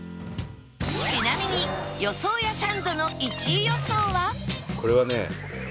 ちなみに予想屋サンドの１位予想は？